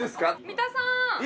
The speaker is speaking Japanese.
三田さん。